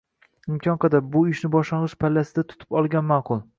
Imkon qadar, bu ishni boshlangich pallasida tutib olgan ma’qul.